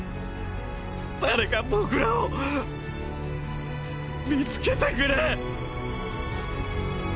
誰か僕らを見つけてくれ。